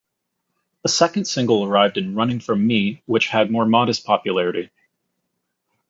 A second single arrived in "Running From Me," which had more modest popularity.